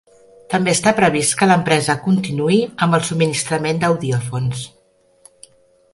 També està previst que l'empresa continuï amb el subministrament d'audiòfons.